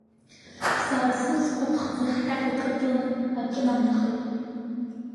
Сара сызқәа аԥхӡы хьшәашәа кыдланы аҿынанахеит.